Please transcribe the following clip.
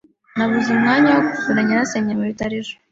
Nabuze umwanya wo gusura nyirasenge mu bitaro ejo.